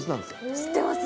知ってます